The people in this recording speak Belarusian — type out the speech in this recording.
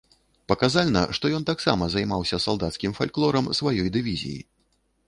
Паказальна, што ён таксама займаўся салдацкім фальклорам сваёй дывізіі.